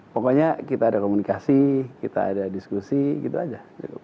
pokoknya kita ada komunikasi kita ada diskusi gitu aja